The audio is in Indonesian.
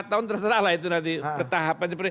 lima tahun terserah lah itu nanti ketahapan